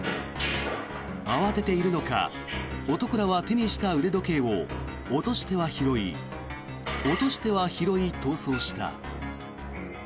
慌てているのか男らは手にした腕時計を落としては拾い、落としては拾い逃走した。